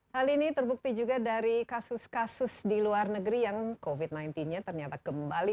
hal ini terbukti juga dari kasus kasus di luar negeri yang covid sembilan belas nya ternyata kembali